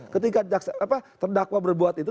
ketika terdakwa berbuat itu